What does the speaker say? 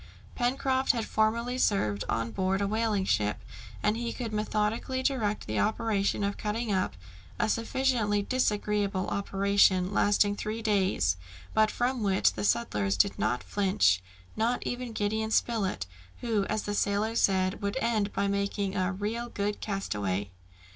Pencroft had formerly served on board a whaling ship, and he could methodically direct the operation of cutting up a sufficiently disagreeable operation lasting three days, but from which the settlers did not flinch, not even Gideon Spilett, who, as the sailor said, would end by making a "real good castaway."